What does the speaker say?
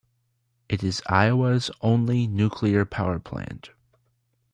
It is Iowa's only nuclear power plant.